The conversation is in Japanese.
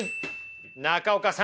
中岡さん。